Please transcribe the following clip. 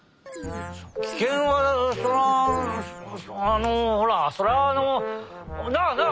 キケンはそれはあのほらそれはあのなあ？